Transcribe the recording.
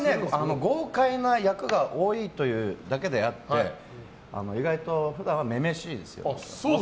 豪快な役が多いというだけであって意外と普段は女々しいですよ。